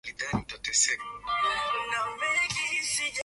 nchi yao bado iko mbali na ukuu halisi Ukosefu wa